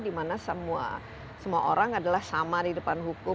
dimana semua orang adalah sama di depan hukum